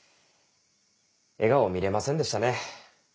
笑顔見れませんでしたね。